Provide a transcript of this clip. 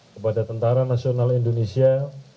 kepada tentara nasional indonesia